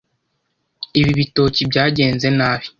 Ibi bitoki byagenze nabi.